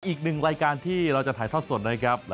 อีกหนึ่งรายการที่เราจะถ่ายทอดสดนะครับ